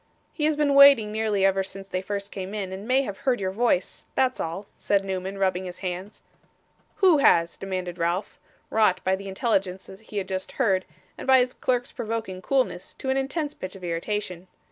'He has been waiting nearly ever since they first came in, and may have heard your voice that's all,' said Newman, rubbing his hands. 'Who has?' demanded Ralph, wrought by the intelligence he had just heard, and his clerk's provoking coolness, to an intense pitch of irritation.